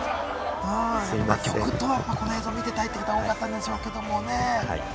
曲と、この映像を見てたいという方、多かったでしょうけれどもね。